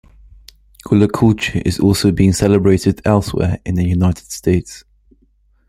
Gullah culture is also being celebrated elsewhere in the United States.